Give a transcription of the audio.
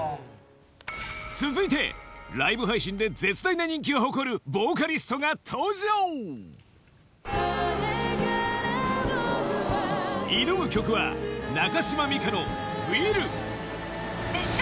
続いてライブ配信で絶大な人気を誇るボーカリストが登場挑む曲は熱唱！